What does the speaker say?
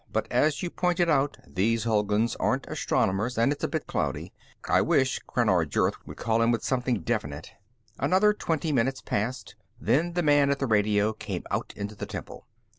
"But as you pointed out, these Hulguns aren't astronomers, and it's a bit cloudy. I wish Crannar Jurth would call in with something definite." Another twenty minutes passed. Then the man at the radio came out into the temple.